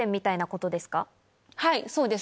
はいそうです。